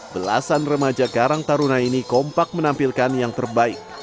belasan remaja karang taruna ini kompak menampilkan yang terbaik